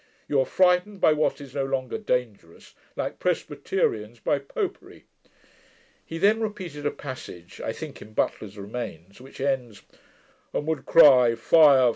You are frightened by what is no longer dangerous, like Presbyterians by popery.' He then repeated a passage, I think, in Butler's Remains, which ends, 'and would cry, Fire!